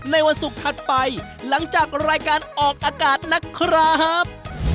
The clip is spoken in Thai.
ในวันศุกร์ถัดไปหลังจากรายการออกอากาศนะครับ